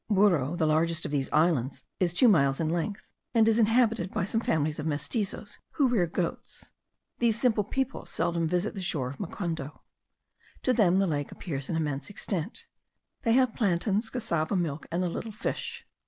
Burro, the largest of these islands, is two miles in length, and is inhabited by some families of mestizos, who rear goats. These simple people seldom visit the shore of Mocundo. To them the lake appears of immense extent; they have plantains, cassava, milk, and a little fish.